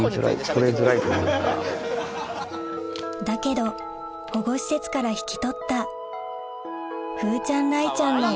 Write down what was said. だけど保護施設から引き取った風ちゃん